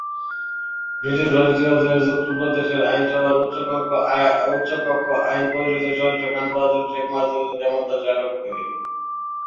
British ভারতের অধীনে যুক্ত প্রদেশ আইনসভার উচ্চকক্ষ আইন পরিষদের সদস্য খান বাহাদুর শেখ মাসুদ-উজ-জামান তার শ্যালক ছিলেন।